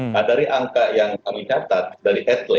nah dari angka yang kami catat dari atle